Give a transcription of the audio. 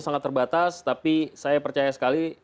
sangat terbatas tapi saya percaya sekali